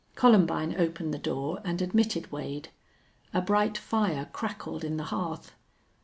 Columbine opened the door and admitted Wade. A bright fire crackled in the hearth.